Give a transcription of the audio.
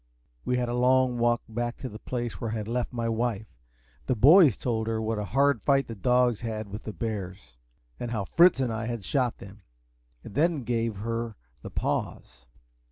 We had a long walk back to the place where I had left my wife. The boys told her what a hard fight the dogs had with the bears, and how Fritz and I had shot them, and then gave her the paws.